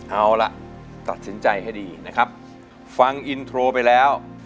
เอาล่ะตัดสินใจให้ดีนะครับฟังอินโทรไปแล้ว